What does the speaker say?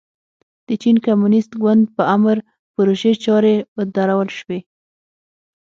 د چین کمونېست ګوند په امر پروژې چارې ودرول شوې.